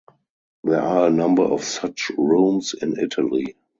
There are a number of such rooms in Italy.